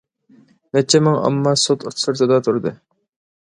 نەچچە مىڭ ئامما سوت سىرتىدا تۇردى.